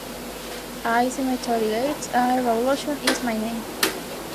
I," "Cemetery Gates," y "Revolution Is My Name.